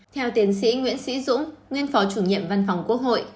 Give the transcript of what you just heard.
theo tiến sĩ nguyễn sĩ dũng nguyên phó chủ nhiệm văn phòng quốc hội